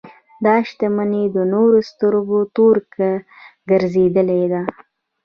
دا شتمنۍ د نورو د سترګو تور ګرځېدلې ده.